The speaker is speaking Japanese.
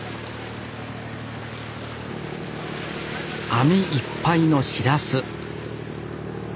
網いっぱいのシラス